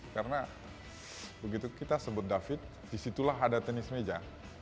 karena begitu kita sebut david disitulah ada tenis meja